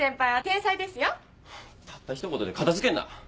たったひと言で片づけんな！